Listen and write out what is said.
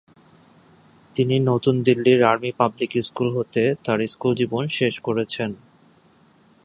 তিনি নতুন দিল্লির আর্মি পাবলিক স্কুল হতে তাঁর স্কুল জীবন শেষ করেছেন।